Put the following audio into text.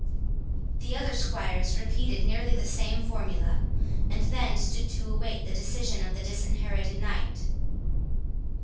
The other squires repeated nearly the same formula, and then stood to await the decision of the Disinherited Knight.